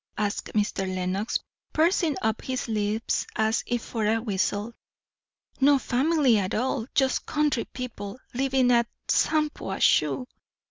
asked Mr. Lenox, pursing up his lips as if for a whistle. "No family at all. Just country people, living at Shampuashuh."